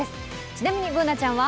ちなみにＢｏｏｎａちゃんは？